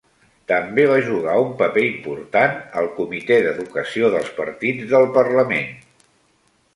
També va jugar un paper important al Comité d'Educació dels Partits del Parlament.